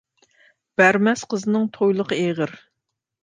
بەرمەس قىزنىڭ تويلۇقى ئېغىر.